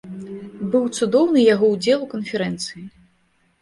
Быў цудоўны яго ўдзел у канферэнцыі.